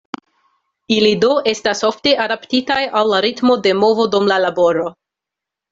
Ili do estas ofte adaptitaj al la ritmo de movo dum la laboro.